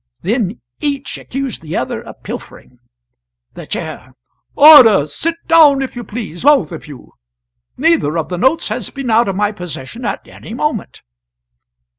Then each accused the other of pilfering. The Chair. "Order! Sit down, if you please both of you. Neither of the notes has been out of my possession at any moment."